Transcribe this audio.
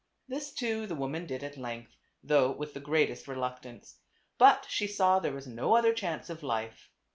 This, too, the woman did at length, though with the greatest reluctance ; but she saw there was no other chance of life.